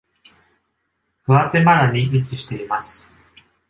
グアテマラに位置しています。